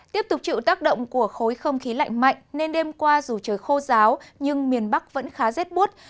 tiếp tục chịu tác động của khối không khí lạnh mạnh nên đêm qua dù trời khô giáo nhưng miền bắc vẫn khá rét bút